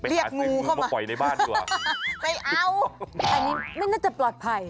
เรียกงูเข้ามาไม่เอาอันนี้ไม่น่าจะปลอดภัย